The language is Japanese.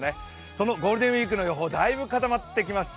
そのゴールデンウイークの予報だいぶ固まってきました。